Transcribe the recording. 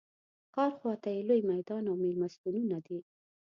ښار خواته یې لوی میدان او مېلمستونونه دي.